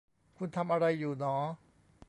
คุณทำอะไรอยู่หนอ ?